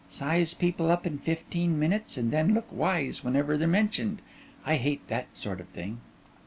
Size people up in five minutes and then look wise whenever they're mentioned. I hate that sort of thing.